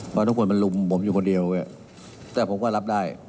เพราะทุกคนมันลุมผมอยู่คนเดียวแต่ผมก็รับได้